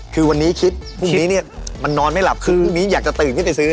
คือวันนี้คิดพรุ่งนี้มันนอนไม่หลับคือวันนี้อยากจะตื่นให้ไปซื้อเลย